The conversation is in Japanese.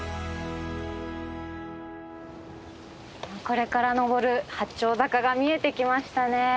これから登る八丁坂が見えてきましたね。